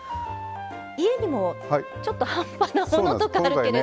家にも半端なものとかあるけれど。